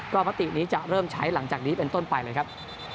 มตินี้จะเริ่มใช้หลังจากนี้เป็นต้นไปเลยครับ